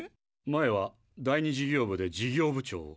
前は第２事業部で事業部長を。